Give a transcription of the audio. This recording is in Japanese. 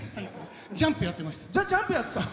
ジャンプやってました。